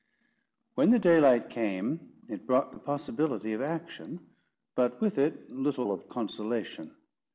When the daylight came, it brought the possibility of action, but with it little of consolation.